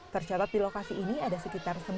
tercatat di lokasi ini ada sekitar